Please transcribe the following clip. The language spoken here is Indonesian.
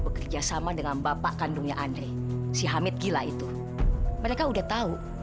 bekerja sama dengan bapak kandungnya andre si hamid gila itu mereka udah tahu